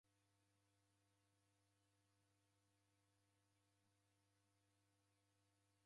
Mashindano gha ugho msarigho ghoindana.